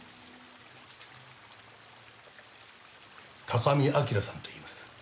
高見明さんといいます。